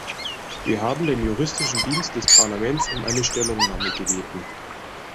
Wir haben den Juristischen Dienst des Parlaments um eine Stellungnahme gebeten.